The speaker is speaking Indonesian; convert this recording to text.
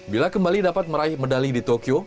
bila kembali dapat meraih medali di tokyo